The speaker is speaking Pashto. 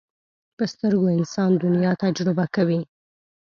په سترګو انسان دنیا تجربه کوي